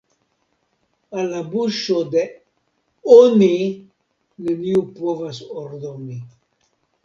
Al la buŝo de "oni" neniu povas ordoni.